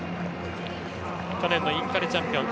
去年のインカレチャンピオン